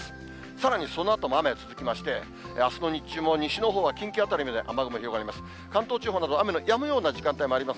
さらに、そのあとも雨続きまして、あすの日中も西のほうは近畿辺りまで雨雲広がります。